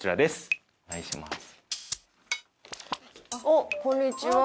おっこんにちは。